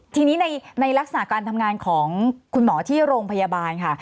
ทีนี้ในลักษณะการทำงานของคุณหมอที่โรงพยาบาลค่ะ